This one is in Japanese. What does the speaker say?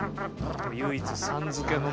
唯一「さん」づけのね。